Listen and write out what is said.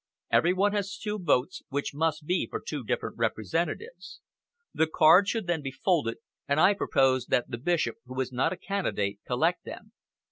Every one has two votes, which must be for two different representatives. The cards should then be folded, and I propose that the Bishop, who is not a candidate, collect them.